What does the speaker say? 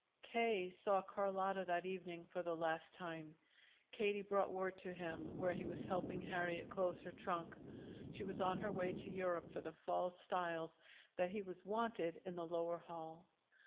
K. saw Carlotta that evening for the last time. Katie brought word to him, where he was helping Harriet close her trunk, she was on her way to Europe for the fall styles, that he was wanted in the lower hall.